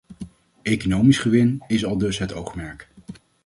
Economisch gewin is aldus het oogmerk.